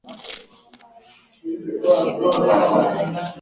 Jamhuri ya KiJamuhuri ya Jamuhuri ya Demokrasia ya Kongo Mfumuko wa Bei